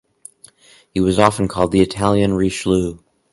He was often called the "Italian Richelieu".